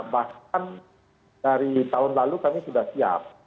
bahkan dari tahun lalu kami sudah siap